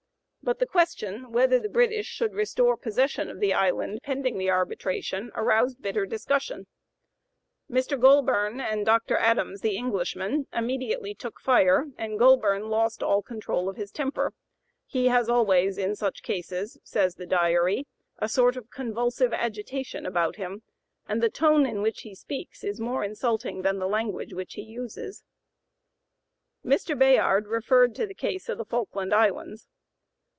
But the question, whether the British should restore possession of the island pending the arbitration, aroused bitter discussion. "Mr. Goulburn and Dr. Adams (the Englishman) immediately took fire, and Goulburn lost all control of his temper. He has always in such cases," says the Diary, "a sort of convulsive agitation about him, and the tone in which he speaks is more insulting than the language which he uses." Mr. Bayard referred to the case of the Falkland Islands.